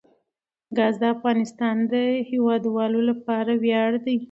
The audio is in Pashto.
ګاز د افغانستان د هیوادوالو لپاره ویاړ دی.